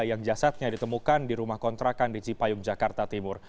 yang jasadnya ditemukan di rumah kontrakan di cipayung jakarta timur